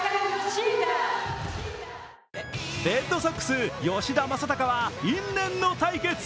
レッドソックス・吉田正尚は因縁の対決。